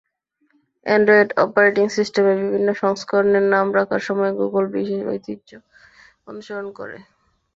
Android operating সিস্টেমের বিভিন্ন সংস্করণের নাম রাখার সময় গুগল বিশেষ ঐতিহ্য অনুসরণ করে।